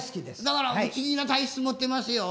だから不思議な体質持ってますよ。